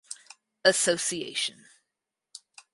Association.